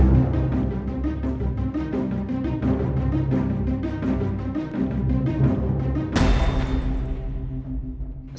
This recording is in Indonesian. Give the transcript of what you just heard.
tidak boleh kita berguna kawan